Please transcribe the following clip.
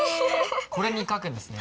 これに書くんですね？